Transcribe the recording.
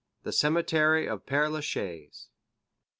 The Cemetery of Père Lachaise M.